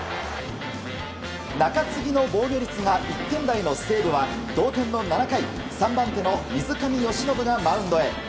中継ぎの防御率が１点台の西武は同点の７回、３番手の水上由伸がマウンドへ。